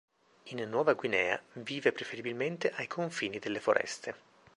In Nuova Guinea vive preferibilmente ai confini delle foreste.